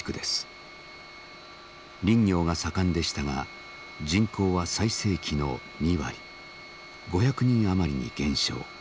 林業が盛んでしたが人口は最盛期の２割５００人余りに減少。